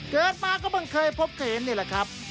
เกิดมาก็บังเคยพบเคยเห็นนี่แหละครับ